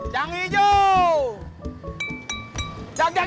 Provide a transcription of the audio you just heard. jang jang jang jang